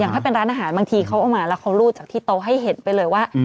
ถ้าเป็นร้านอาหารบางทีเขาเอามาแล้วเขารูดจากที่โต๊ะให้เห็นไปเลยว่า